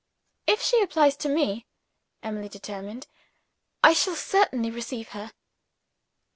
"If she applies to me," Emily determined, "I shall certainly receive her."